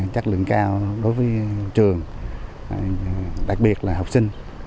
chất lượng cao đối với trường đặc biệt là học sinh